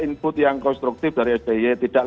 input yang konstruktif dari sby tidak